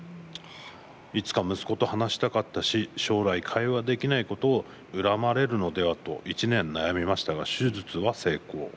いつか息子と話したかったし将来会話できないことを恨まれるのではと１年悩みましたが、手術は成功。